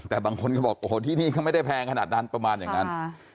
แต่บางคนก็บอกโอ้โหที่นี่เขาไม่ได้แพงขนาดนั้นประมาณอย่างนั้น